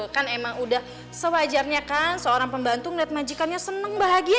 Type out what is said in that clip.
kan emang udah sewajarnya kan seorang pembantu ngeliat majikannya senang bahagia